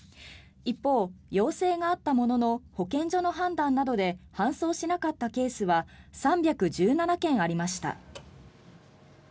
一方、要請があったものの保健所の判断などで搬送しなかったケースは３１７件ありました。